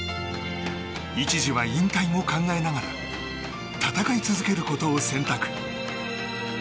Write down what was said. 一時は引退も考えながら戦い続けることを選択。